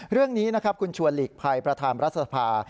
เรื่องนี้นะครับคุณชวนหลีกภัยประธานรัฐสภา